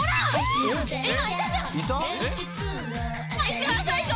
一番最初。